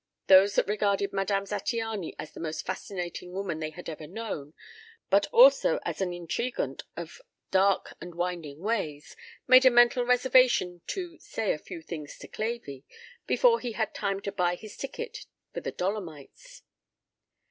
Those that regarded Madame Zattiany as the most fascinating woman they had ever known, but also as an intrigante of dark and winding ways, made a mental reservation to "say a few things to Clavey" before he had time to buy his ticket for the Dolomites.